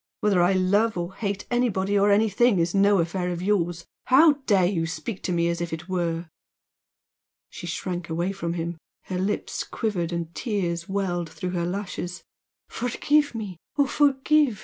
Whether I love or hate anybody or anything is no affair of yours! How dare you speak to me as if it were!" She shrank away from him. Her lips quivered, and tears welled through her lashes. "Forgive me! ... oh, forgive!"